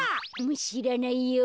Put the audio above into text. しらないよ。